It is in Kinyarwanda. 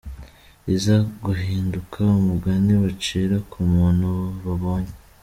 riza guhinduka umugani bacira ku muntu babonye